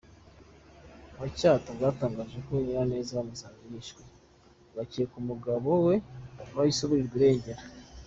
wa Cyato bwatangaje ko Nyiraneza bwamusanze yishwe, hagakekwa umugabo we wahise aburirwa irengero.